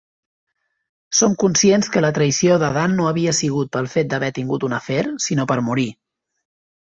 Som conscients que la traïció de Dan no havia sigut pel fet d'haver tingut un afer, sinó per morir.